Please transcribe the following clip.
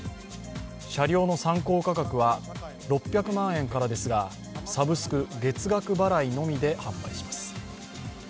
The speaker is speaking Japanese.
車両の参考価格は６００万円からですが、サブスク＝月額払いのみで販売します。